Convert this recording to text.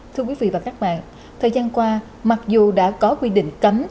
thưa quý vị và các bạn thời gian qua mặc dù đã có quy định cấm